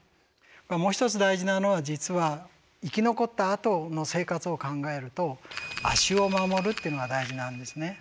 もう一つ大事なのは実は生き残ったあとの生活を考えると脚を守るっていうのが大事なんですね。